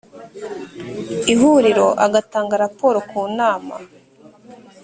ihuriro agatanga raporo ku nama